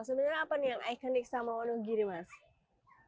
sebenarnya apa nih yang ikonik sama wonogiri mas